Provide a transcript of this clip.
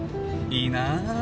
いいなぁ。